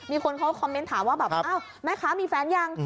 มีคนเขาคอมเม้นต์ถามว่าแม่คะมีแฟนยัง